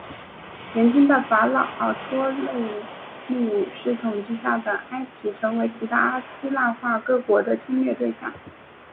年轻的法老托勒密五世统治下的埃及成为其他希腊化各国的侵略对象。